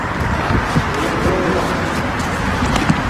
ڈوک ہویا